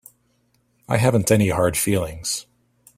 I haven't any hard feelings.